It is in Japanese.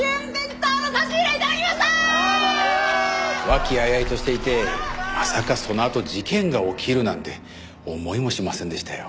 和気あいあいとしていてまさかそのあと事件が起きるなんて思いもしませんでしたよ。